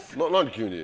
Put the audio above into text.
急に。